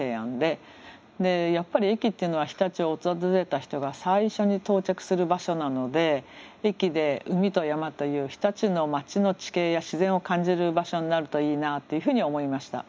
やっぱり駅っていうのは日立を訪れた人が最初に到着する場所なので駅で海と山という日立の町の地形や自然を感じる場所になるといいなというふうに思いました。